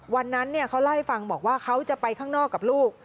วันนั้นเขาเล่าให้ฟังบอกว่าเขาจะไปข้างนอกกับลูก